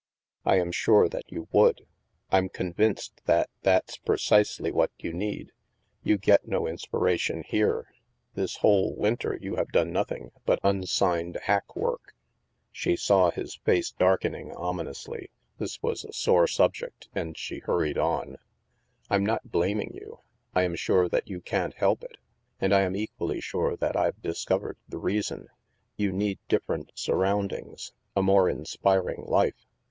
I am sure that you would. I'm convinced that that's precisely what you need. You get no inspiration here. This whole winter you have done nothing but unsigned hack work." 192 THE MASK She saw his face darkening ominously — this was a sore subject — and she hurried on. " I'm not blaming you. I am sure that you can't help it. And I am equally sure that Tve discovered the reason. You need different surroundings, a more inspiring life."